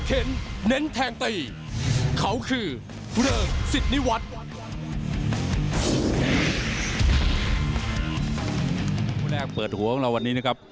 คู่แรกเปิดหัวของเราวันนี้นะครับ